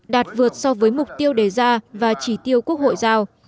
đạt vượt so với mục tiêu đề ra và chỉ tiêu quốc hội giao